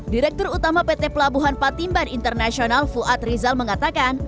direktur utama pt pelabuhan patimban internasional fuad rizal mengatakan